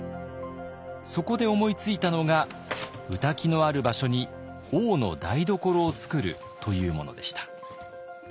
そこで思いついたのが御嶽のある場所に王の台所をつくるというものでした。